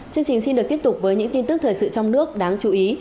chương trình xin được tiếp tục với những tin tức thời sự trong nước đáng chú ý